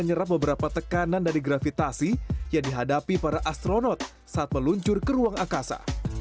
yang dihadapi para astronot saat meluncur ke ruang angkasa